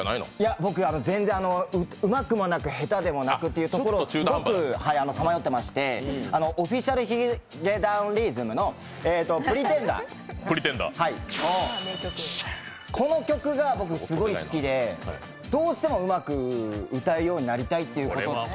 僕、全然うまくもなく、下手でもなくというところをすごくさまよってましてＯｆｆｉｃｉａｌ髭男ｄｉｓｍの「Ｐｒｅｔｅｎｄｅｒ」この曲が僕、すごい好きでどうしてもうまく歌えるようになりたいということで。